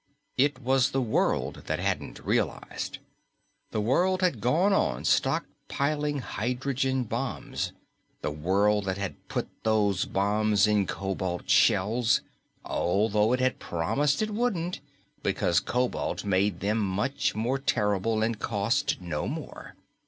It was the world that hadn't realized. The world that had gone on stockpiling hydrogen bombs. The world that had put those bombs in cobalt shells, although it had promised it wouldn't, because the cobalt made them much more terrible and cost no more.